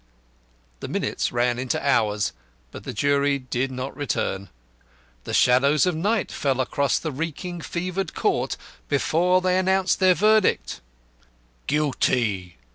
The minutes ran into hours, but the jury did not return. The shadows of night fell across the reeking, fevered court before they announced their verdict "Guilty!"